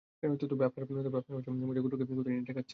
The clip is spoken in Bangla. তবে আপনার মুযার গোত্রকে কোথায় নিয়ে ঠেকাচ্ছেন?